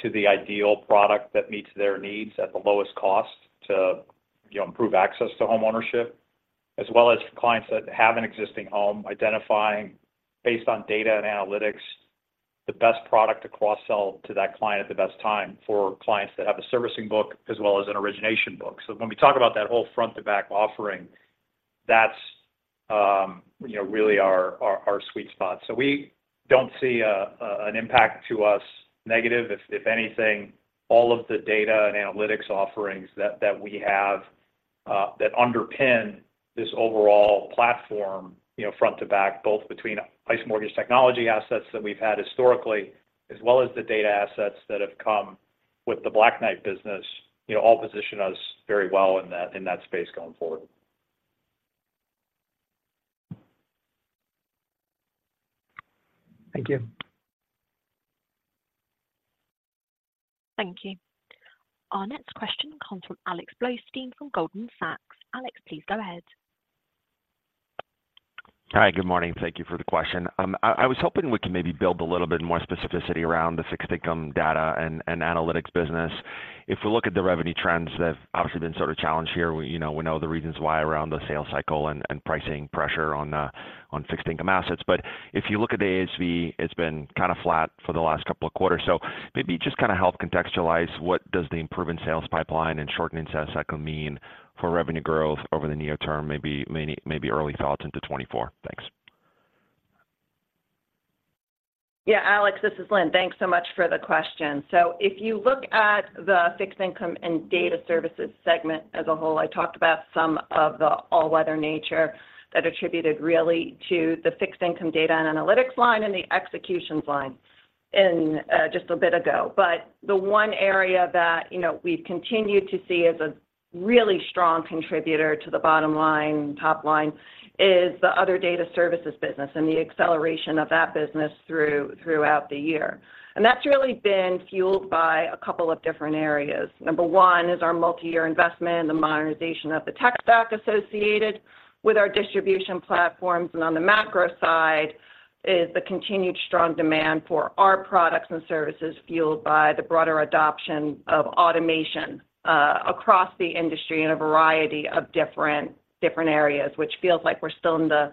to the ideal product that meets their needs at the lowest cost to, you know, improve access to homeownership. As well as clients that have an existing home, identifying based on data and analytics, the best product to cross-sell to that client at the best time for clients that have a servicing book as well as an origination book. So when we talk about that whole front-to-back offering, that's, you know, really our sweet spot. So we don't see an impact to us negative. If anything, all of the data and analytics offerings that we have that underpin this overall platform, you know, front to back, both between ICE Mortgage Technology assets that we've had historically, as well as the data assets that have come with the Black Knight business, you know, all position us very well in that space going forward. Thank you. Thank you. Our next question comes from Alex Blostein from Goldman Sachs. Alex, please go ahead. Hi, good morning. Thank you for the question. I was hoping we could maybe build a little bit more specificity around the Fixed Income Data and Analytics business. If we look at the revenue trends, they've obviously been sort of challenged here. We, you know, we know the reasons why around the sales cycle and pricing pressure on fixed income assets. But if you look at the ASV, it's been kind of flat for the last couple of quarters. So maybe just kind of help contextualize what does the improvement sales pipeline and shortening sales cycle mean for revenue growth over the near term, maybe, maybe, maybe early thoughts into 2024? Thanks. Yeah, Alex, this is Lynn. Thanks so much for the question. So if you look at the Fixed Income and Data Services segment as a whole, I talked about some of the all-weather nature that attributed really to the fixed income data and analytics line and the executions line in just a bit ago. But the one area that, you know, we've continued to see as a really strong contributor to the bottom line, top line, is the other data services business and the acceleration of that business throughout the year. And that's really been fueled by a couple of different areas. Number one is our multi-year investment and the modernization of the tech stack associated with our distribution platforms, and on the macro side is the continued strong demand for our products and services, fueled by the broader adoption of automation across the industry in a variety of different, different areas, which feels like we're still in the,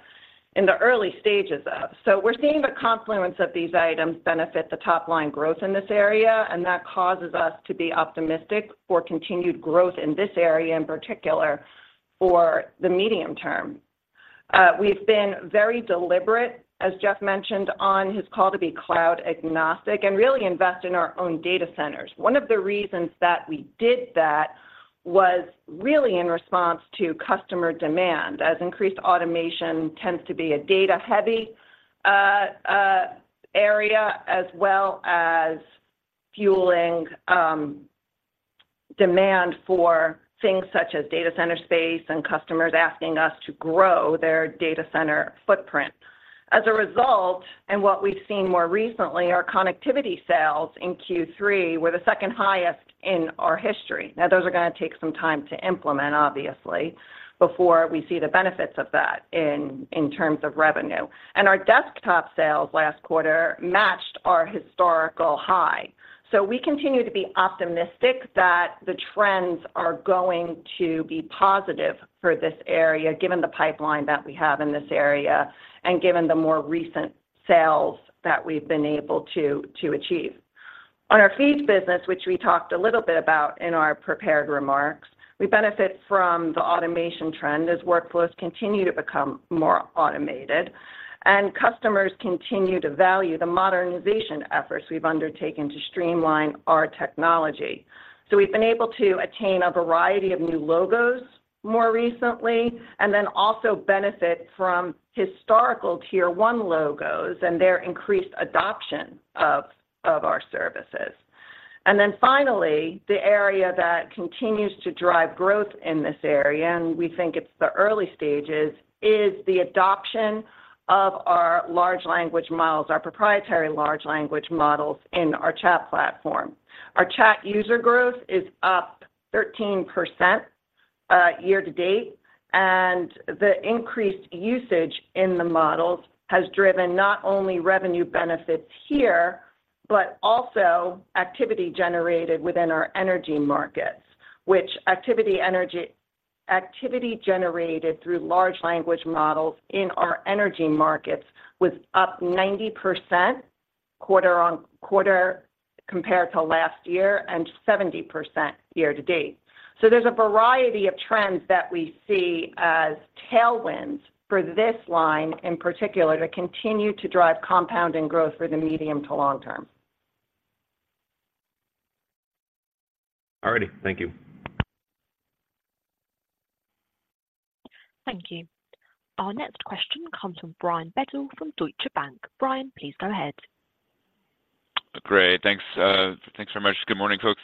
in the early stages of. So we're seeing the confluence of these items benefit the top line growth in this area, and that causes us to be optimistic for continued growth in this area, in particular for the medium term. We've been very deliberate, as Jeff mentioned, on his call to be cloud agnostic and really invest in our own data centers. One of the reasons that we did that was really in response to customer demand, as increased automation tends to be a data-heavy area, as well as fueling demand for things such as data center space and customers asking us to grow their data center footprint. As a result, and what we've seen more recently, our connectivity sales in Q3 were the second highest in our history. Now, those are going to take some time to implement, obviously, before we see the benefits of that in terms of revenue. And our desktop sales last quarter matched our historical high. So we continue to be optimistic that the trends are going to be positive for this area, given the pipeline that we have in this area, and given the more recent sales that we've been able to achieve. On our feeds business, which we talked a little bit about in our prepared remarks, we benefit from the automation trend as workflows continue to become more automated, and customers continue to value the modernization efforts we've undertaken to streamline our technology. So we've been able to attain a variety of new logos more recently, and then also benefit from historical Tier One logos and their increased adoption of our services. And then finally, the area that continues to drive growth in this area, and we think it's the early stages, is the adoption of our Large Language Models, our proprietary Large Language Models in our chat platform. Our chat user growth is up 13%, year to date, and the increased usage in the models has driven not only revenue benefits here, but also activity generated within our energy markets, which activity generated through large language models in our energy markets was up 90% quarter-on-quarter compared to last year and 70% year to date. So there's a variety of trends that we see as tailwinds for this line, in particular, to continue to drive compounding growth for the medium to long term. All righty. Thank you. Thank you. Our next question comes from Brian Bedell from Deutsche Bank. Brian, please go ahead. Great. Thanks, thanks very much. Good morning, folks.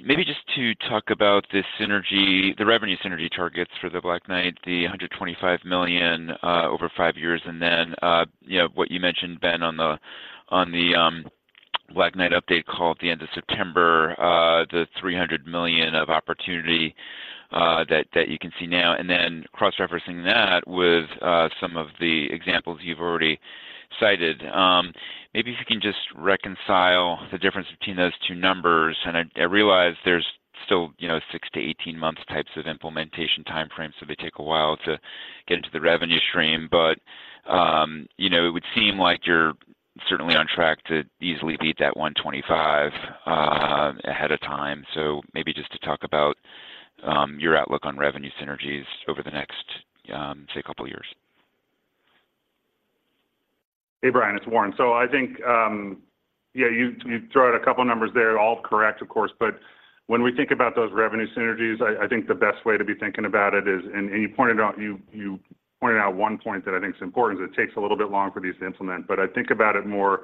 Maybe just to talk about the synergy, the revenue synergy targets for the Black Knight, the $125 million over five years, and then, you know, what you mentioned, Ben, on the Black Knight update call at the end of September, the $300 million of opportunity that you can see now, and then cross-referencing that with some of the examples you've already cited. Maybe if you can just reconcile the difference between those two numbers. And I realize there's still, you know, 6-18 months types of implementation time frames, so they take a while to get into the revenue stream. But, you know, it would seem like you're on track to easily beat that $125 million ahead of time. Maybe just to talk about your outlook on revenue synergies over the next, say, a couple of years. Hey, Brian, it's Warren. So I think, yeah, you, you throw out a couple numbers there, all correct, of course, but when we think about those revenue synergies, I, I think the best way to be thinking about it is, and, and you pointed out, you, you pointed out one point that I think is important, is it takes a little bit longer for these to implement. But I think about it more,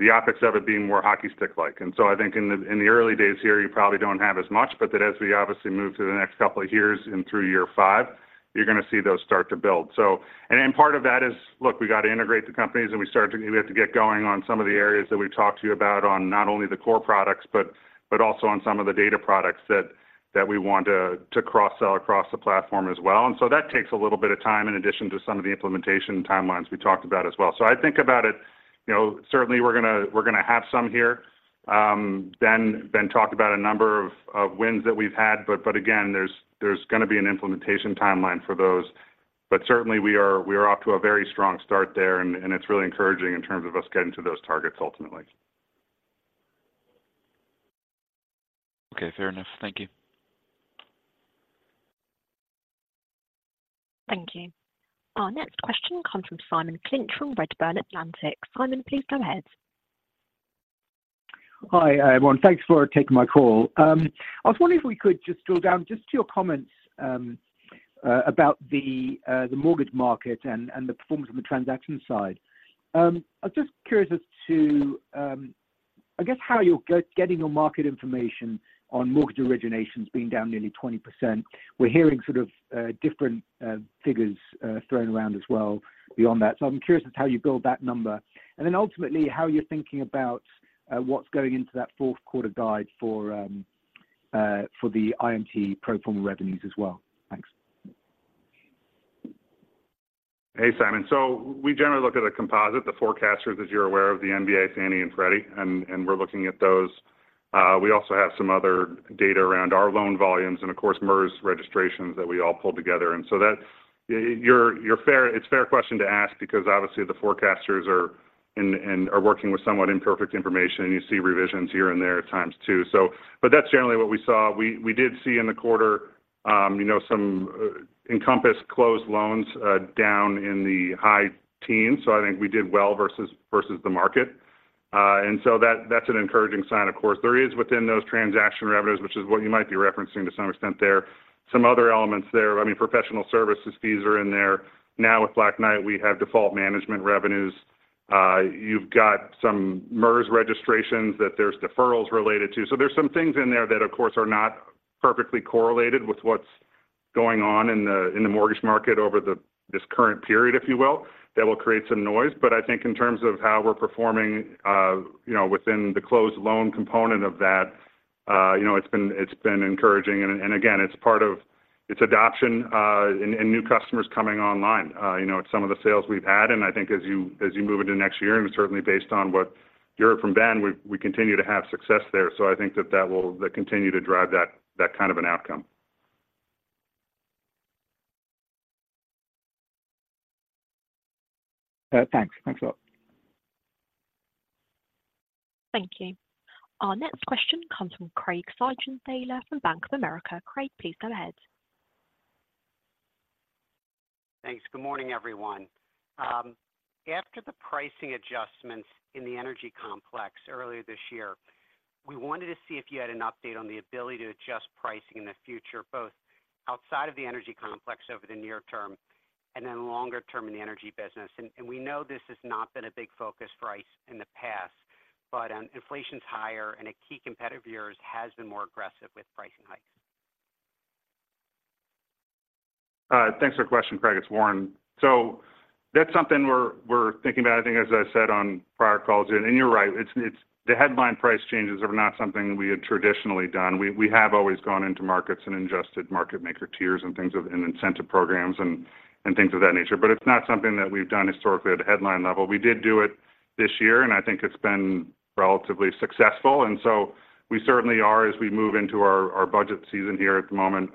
the optics of it being more hockey stick-like. And so I think in the, in the early days here, you probably don't have as much, but that as we obviously move to the next couple of years and through year five, you're going to see those start to build. So, and then part of that is, look, we got to integrate the companies, and we have to get going on some of the areas that we've talked to you about on not only the core products, but also on some of the data products that we want to cross-sell across the platform as well. And so that takes a little bit of time in addition to some of the implementation timelines we talked about as well. So I think about it, you know, certainly we're gonna, we're gonna have some here. Ben talked about a number of wins that we've had, but again, there's going to be an implementation timeline for those. But certainly, we are, we are off to a very strong start there, and, and it's really encouraging in terms of us getting to those targets ultimately. Okay, fair enough. Thank you. Thank you. Our next question comes from Simon Clinch from Redburn Atlantic. Simon, please go ahead. Hi, everyone. Thanks for taking my call. I was wondering if we could just drill down just to your comments about the mortgage market and the performance on the transaction side. I was just curious as to, I guess, how you're getting your market information on mortgage originations being down nearly 20%. We're hearing sort of different figures thrown around as well beyond that. So I'm curious as to how you build that number, and then ultimately, how you're thinking about what's going into that fourth quarter guide for the IMT pro forma revenues as well. Thanks. Hey, Simon. So we generally look at a composite, the forecasters, as you're aware, of the MBA, Fannie and Freddie, and we're looking at those. We also have some other data around our loan volumes and, of course, MERS registrations that we all pulled together. And so that's a fair question to ask because obviously the forecasters are working with somewhat imperfect information, and you see revisions here and there at times, too. But that's generally what we saw. We did see in the quarter, you know, some Encompass closed loans down in the high teens, so I think we did well versus the market. And so that's an encouraging sign, of course. There is within those transaction revenues, which is what you might be referencing to some extent there. Some other elements there, I mean, professional services fees are in there. Now with Black Knight, we have default management revenues. You've got some MERS registrations that there's deferrals related to. So there's some things in there that, of course, are not perfectly correlated with what's going on in the mortgage market over this current period, if you will, that will create some noise. But I think in terms of how we're performing, you know, within the closed loan component of that, you know, it's been encouraging. And again, it's part of its adoption, and new customers coming online. You know, it's some of the sales we've had, and I think as you move into next year, and certainly based on what you heard from Ben, we continue to have success there. I think that that will continue to drive that, that kind of an outcome. Thanks. Thanks a lot. Thank you. Our next question comes from Craig Siegenthaler from Bank of America. Craig, please go ahead. Thanks. Good morning, everyone. After the pricing adjustments in the energy complex earlier this year, we wanted to see if you had an update on the ability to adjust pricing in the future, both outside of the energy complex over the near term and then longer term in the energy business. We know this has not been a big focus for ICE in the past, but inflation is higher, and a key competitor of yours has been more aggressive with pricing hikes. Thanks for the question, Craig. It's Warren. So that's something we're thinking about, I think, as I said, on prior calls, and you're right, it's the headline price changes are not something we had traditionally done. We have always gone into markets and adjusted market maker tiers and incentive programs and things of that nature, but it's not something that we've done historically at a headline level. We did do it this year, and I think it's been relatively successful, and so we certainly are, as we move into our budget season here at the moment,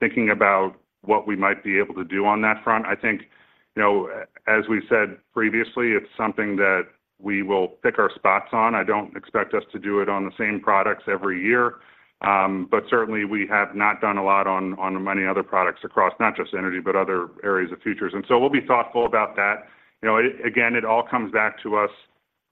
thinking about what we might be able to do on that front. I think, you know, as we said previously, it's something that we will pick our spots on. I don't expect us to do it on the same products every year, but certainly we have not done a lot on the many other products across, not just energy, but other areas of futures. And so we'll be thoughtful about that. You know, again, it all comes back to us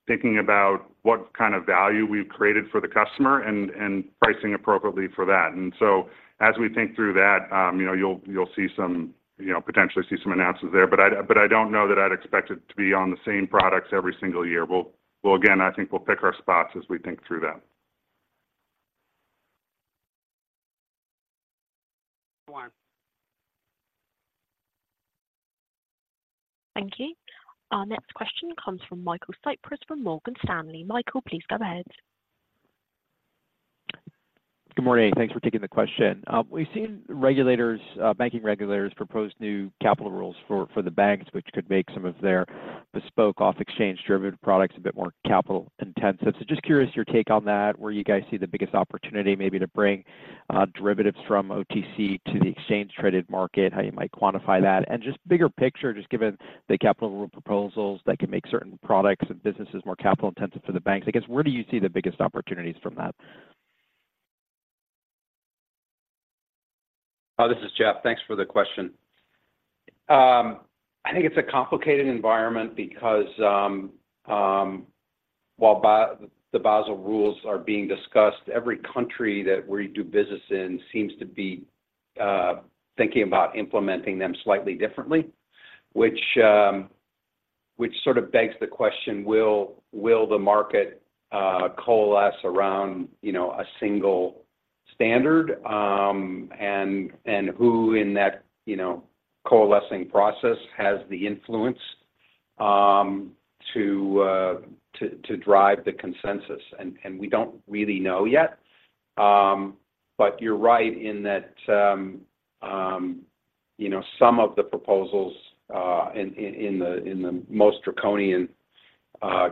thinking about what kind of value we've created for the customer and pricing appropriately for that. And so as we think through that, you know, you'll see some, you know, potentially see some announcements there. But I don't know that I'd expect it to be on the same products every single year. We'll again, I think we'll pick our spots as we think through that. Warren. Thank you. Our next question comes from Michael Cyprys from Morgan Stanley. Michael, please go ahead. Good morning. Thanks for taking the question. We've seen regulators, banking regulators propose new capital rules for the banks, which could make some of their bespoke off-exchange derivative products a bit more capital intensive. So just curious, your take on that, where you guys see the biggest opportunity maybe to bring derivatives from OTC to the exchange-traded market, how you might quantify that? And just bigger picture, just given the capital rule proposals that can make certain products and businesses more capital-intensive for the banks, I guess, where do you see the biggest opportunities from that? This is Jeff. Thanks for the question. I think it's a complicated environment because, while the Basel rules are being discussed, every country that we do business in seems to be thinking about implementing them slightly differently. Which sort of begs the question, will the market coalesce around, you know, a single standard? And who in that, you know, coalescing process has the influence to drive the consensus? And we don't really know yet. But you're right in that, you know, some of the proposals, in the most draconian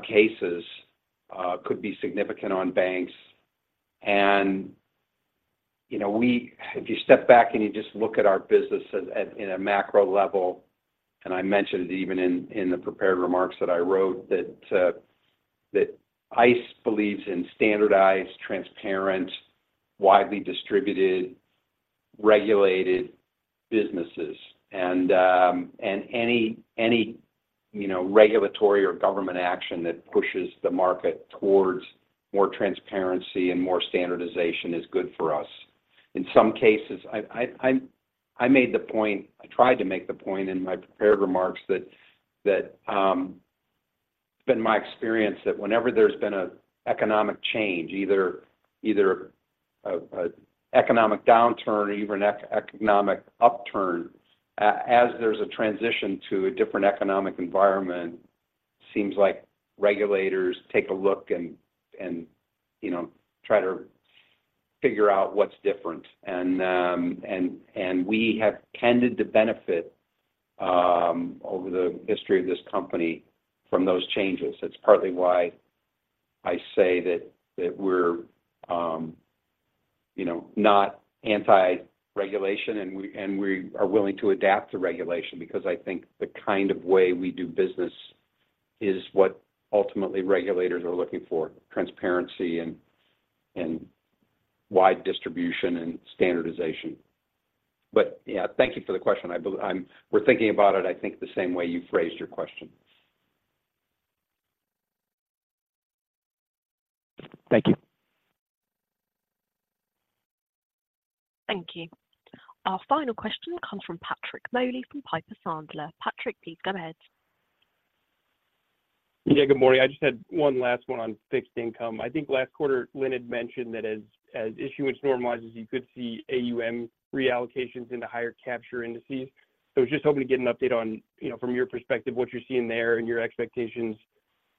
cases, could be significant on banks. You know, we, if you step back, and you just look at our business at a macro level, and I mentioned it even in the prepared remarks that I wrote, that ICE believes in standardized, transparent, widely distributed, regulated businesses. And any regulatory or government action that pushes the market towards more transparency and more standardization is good for us. In some cases, I made the point, I tried to make the point in my prepared remarks that it's been my experience that whenever there's been an economic change, either an economic downturn or even economic upturn, as there's a transition to a different economic environment, seems like regulators take a look and you know, try to figure out what's different. And we have tended to benefit over the history of this company from those changes. That's partly why I say that we're, you know, not anti-regulation, and we are willing to adapt to regulation because I think the kind of way we do business is what ultimately regulators are looking for, transparency and wide distribution and standardization. But, yeah, thank you for the question. I'm—we're thinking about it, I think, the same way you've phrased your question. Thank you. Thank you. Our final question comes from Patrick Moley, from Piper Sandler. Patrick, please go ahead. Yeah, good morning. I just had one last one on fixed income. I think last quarter, Lynn had mentioned that as issuance normalizes, you could see AUM reallocations into higher capture indices. So I was just hoping to get an update on, you know, from your perspective, what you're seeing there and your expectations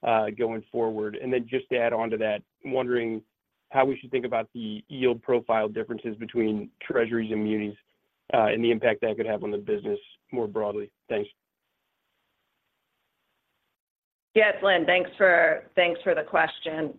going forward. And then just to add onto that, wondering how we should think about the yield profile differences between Treasuries and munis and the impact that could have on the business more broadly. Thanks. Yes, Lynn, thanks for the question.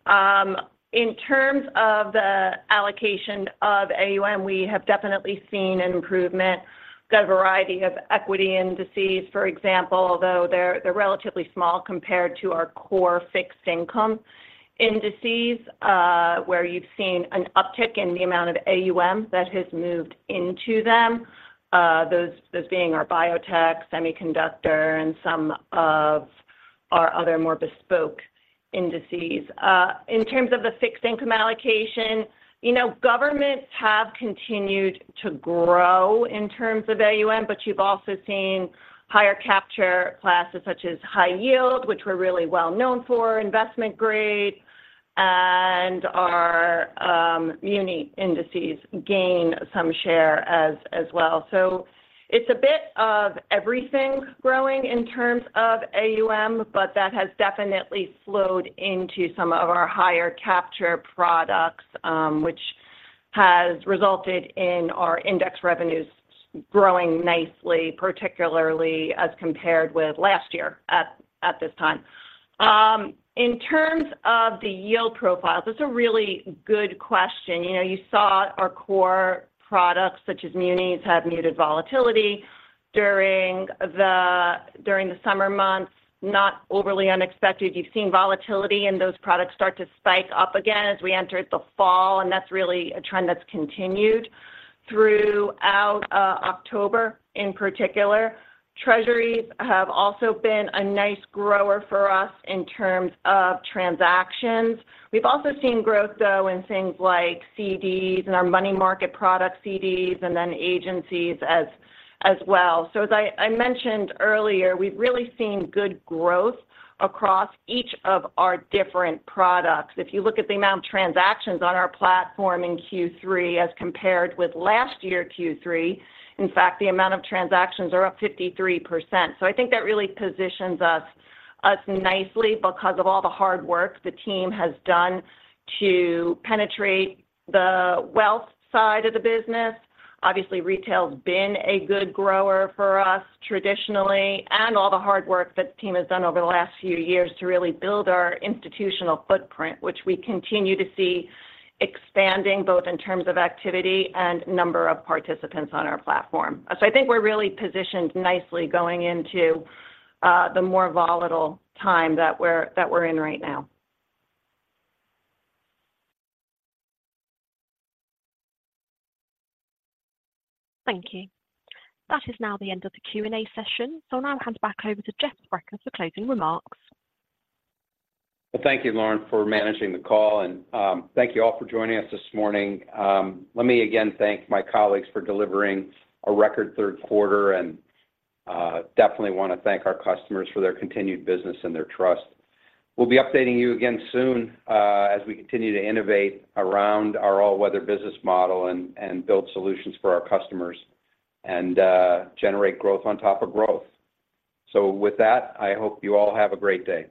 In terms of the allocation of AUM, we have definitely seen an improvement. We've got a variety of equity indices, for example, although they're relatively small compared to our core fixed income indices, where you've seen an uptick in the amount of AUM that has moved into them. Those being our biotech, semiconductor, and some of our other more bespoke indices. In terms of the fixed income allocation, you know, governments have continued to grow in terms of AUM, but you've also seen higher capture classes, such as high yield, which we're really well known for, investment grade, and our muni indices gain some share as well. So it's a bit of everything growing in terms of AUM, but that has definitely flowed into some of our higher capture products, which has resulted in our index revenues growing nicely, particularly as compared with last year at this time. In terms of the yield profiles, that's a really good question. You know, you saw our core products, such as munis, have muted volatility during the summer months, not overly unexpected. You've seen volatility in those products start to spike up again as we entered the fall, and that's really a trend that's continued throughout October in particular. Treasuries have also been a nice grower for us in terms of transactions. We've also seen growth, though, in things like CDs and our money market product CDs, and then agencies as well. So as I mentioned earlier, we've really seen good growth across each of our different products. If you look at the amount of transactions on our platform in Q3 as compared with last year Q3, in fact, the amount of transactions are up 53%. So I think that really positions us nicely because of all the hard work the team has done to penetrate the wealth side of the business. Obviously, retail's been a good grower for us traditionally, and all the hard work that the team has done over the last few years to really build our institutional footprint, which we continue to see expanding, both in terms of activity and number of participants on our platform. So I think we're really positioned nicely going into the more volatile time that we're in right now. Thank you. That is now the end of the Q&A session. I'll now hand it back over to Jeff Sprecher for closing remarks. Well, thank you, Lauren, for managing the call, and thank you all for joining us this morning. Let me again thank my colleagues for delivering a record third quarter and definitely want to thank our customers for their continued business and their trust. We'll be updating you again soon as we continue to innovate around our all-weather business model and build solutions for our customers and generate growth on top of growth. So with that, I hope you all have a great day.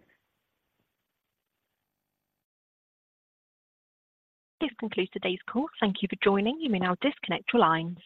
This concludes today's call. Thank you for joining. You may now disconnect your lines.